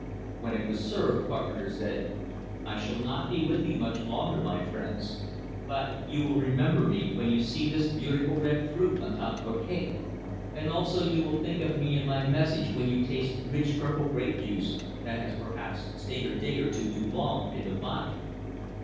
When it was served, Carpenter said, "I shall not be with you much longer, my friends; but you will remember me when you see this beautiful red fruit on top of a cake; and also you will think of me and my message when you taste rich purple grape juice that has perhaps stayed a day or two too long in the bottle!"